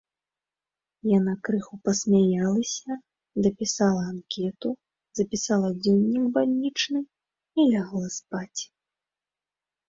Яна крыху пасмяялася, дапісала анкету, запісала дзённік бальнічны і лягла спаць.